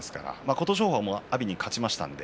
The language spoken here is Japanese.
琴勝峰は阿炎に勝ちました。